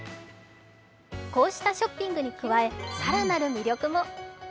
こうしたショッピングに加え更なる魅力も。